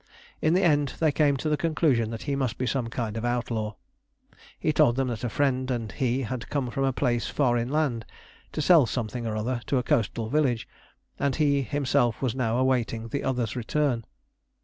In the end they came to the conclusion that he must be some kind of outlaw. He told them that a friend and he had come from a place far inland to sell something or other to a coastal village, and he himself was now awaiting the other's return.